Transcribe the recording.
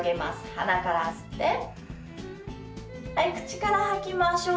鼻から吸ってはい口から吐きましょう。